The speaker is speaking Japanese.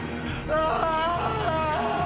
ああ！